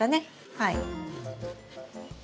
はい。